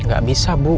gak bisa bu